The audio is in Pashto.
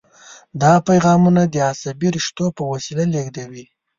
دا پیغامونه د عصبي رشتو په وسیله لیږدوي.